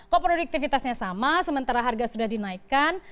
kok produktivitasnya sama sementara harga sudah dinaikkan